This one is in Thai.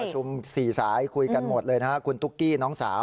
ชุม๔สายคุยกันหมดเลยนะครับคุณตุ๊กกี้น้องสาว